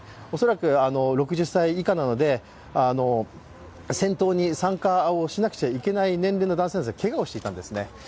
恐らく６０歳以下なので戦闘に参加しなくちゃいけない年齢の男性なんですがけがをしていたんですね